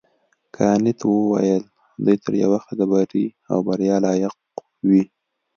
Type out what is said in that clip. کانت وویل دوی تر یو وخته د بري او بریا لایق وي.